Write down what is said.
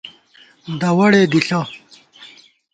دَوَڑےدِݪہ